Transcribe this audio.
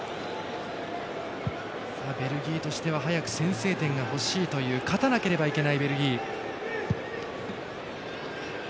ベルギーとしては早く先制点が欲しいという勝たなければいけないベルギー。